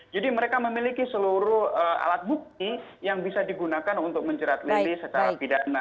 jadi mereka memiliki seluruh alat bukti yang bisa digunakan untuk menjerat lili secara pidana